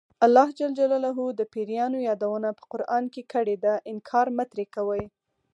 الله ج د پیریانو یادونه په قران کې کړې ده انکار مه ترې کوئ.